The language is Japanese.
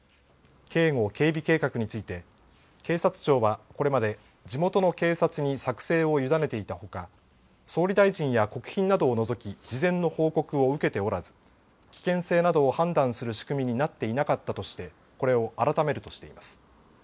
警護・警備計画について警察庁はこれまで地元の警察に作成を委ねていたほか総理大臣や国賓などを除き事前の報告を受けておらず危険性などを判断する仕組みになっていなかったとしてこれを改めるとしています。